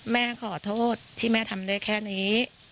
แม่ขอโทษที่แม่ทำได้แค่นี้